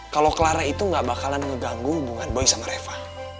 kalau clara itu gak bakalan ngeganggu hubungan boy sama reva